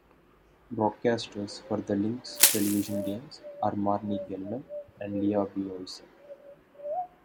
Broadcasters for the Lynx television games are Marney Gellner and Lea B. Olsen.